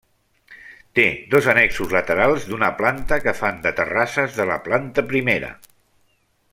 Té dos annexos laterals d’una planta, que fan de terrasses de la planta primera.